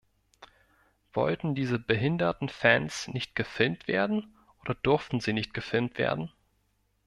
Wollten diese behinderten Fans nicht gefilmt werden oder durften sie nicht gefilmt werden?